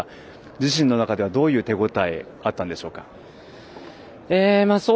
自身の中ではどういう手応えがあったんでしょうか？